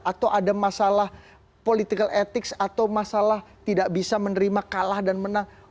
atau ada masalah political etik atau masalah tidak bisa menerima kalah dan menang